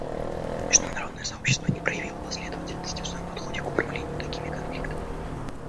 Международное сообщество не проявило последовательности в своем подходе к управлению такими конфликтами.